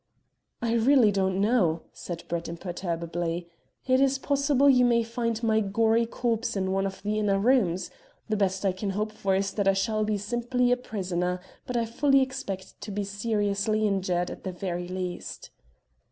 "I really don't know," said Brett imperturbably. "It is possible you may find my gory corpse in one of the inner rooms. The best I can hope for is that I shall be simply a prisoner, but I fully expect to be seriously injured at the very least."